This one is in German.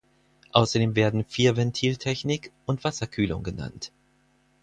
Außerdem werden Vierventiltechnik und Wasserkühlung genannt.